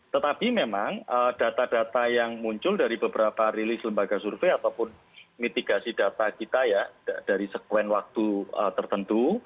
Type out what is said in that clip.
tetapi memang data data yang muncul dari beberapa rilis lembaga survei ataupun mitigasi data kita ya dari sekuen waktu tertentu